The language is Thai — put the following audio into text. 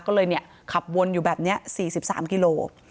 ก็เลยเนี่ยขับวนอยู่แบบเนี้ยสี่สิบสามกิโล